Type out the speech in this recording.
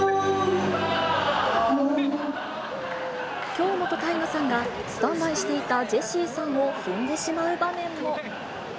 京本大我さんが、スタンバイしていたジェシーさんを踏んでしまう場面も。